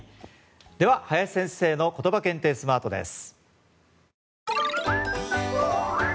では、林先生のことば検定スマートです。